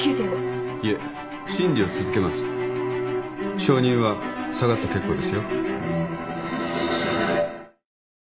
証人は下がって結構ですよ。